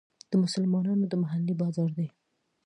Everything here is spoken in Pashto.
د مسلمانانو د محلې بازار دی.